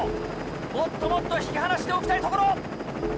もっともっと引き離しておきたいところ！